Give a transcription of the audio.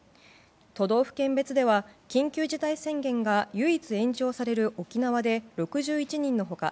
都道府県別では緊急事態宣言が唯一延長される沖縄で６１人の他